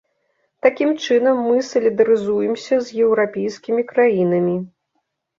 Такім чынам мы салідарызуемся з еўрапейскімі краінамі.